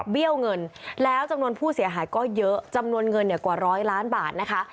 ี้ยวเงินแล้วจำนวนผู้เสียหายก็เยอะจำนวนเงินกว่าร้อยล้านบาทนะคะ